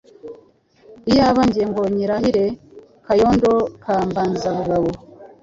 Iyaba jye ngo nyirahire Kayondo ka Mbanzabugabo